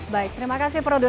baik terima kasih produs